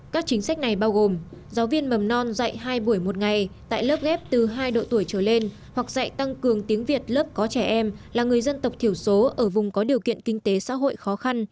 các chính sách này bao gồm giáo viên mầm non dạy hai buổi một ngày tại lớp ghép từ hai độ tuổi trở lên hoặc dạy tăng cường tiếng việt lớp có trẻ em là người dân tộc thiểu số ở vùng có điều kiện kinh tế xã hội khó khăn